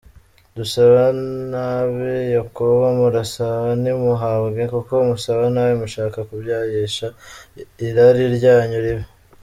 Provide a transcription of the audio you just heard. Dusaba nabi; Yakobo Murasaba ntimuhabwe kuko musaba nabi mushaka kubyayisha irari ryanyu ribi.